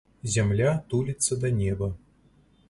Зямля туліцца да неба.